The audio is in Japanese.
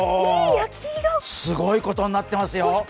すごいことになってますよ。